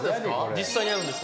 実際にあるんです。